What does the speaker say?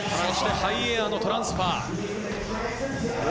ハイエアーのトランスファー。